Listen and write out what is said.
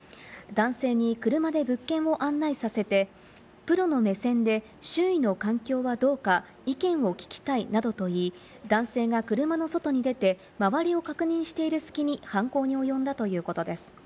望月容疑者は男性が勤める不動産会社を飛び込みで訪問すると、男性に車で物件を案内させてプロの目線で周囲の環境はどうか、意見を聞きたいなどと言い、男性が車の外に出て、周りを確認している隙に、犯行に及んだということです。